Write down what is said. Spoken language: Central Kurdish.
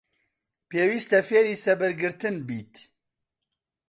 پێویستە فێری سەبرگرتن بیت.